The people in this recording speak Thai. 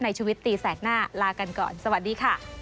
ชุวิตตีแสกหน้าลากันก่อนสวัสดีค่ะ